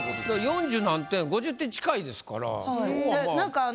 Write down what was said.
４０何点５０点近いですから今日はまあ。